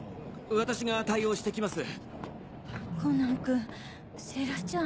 私が対応して来ます。